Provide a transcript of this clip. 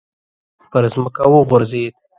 پر ځمکه وغورځېد.